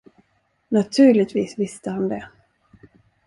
Naturligtvis visste han det.